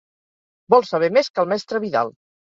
Vol saber més que el mestre Vidal.